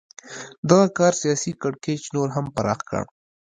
دغه کار سیاسي کړکېچ نور هم پراخ کړ.